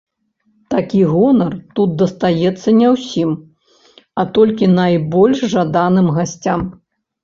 Такі гонар тут дастаецца не ўсім, а толькі найбольш жаданым гасцям.